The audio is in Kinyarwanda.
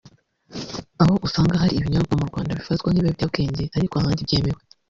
aho usanga hari ibinyobwa mu Rwanda bifatwa nk’ibiyobyabwenge ariko ahandi byemewe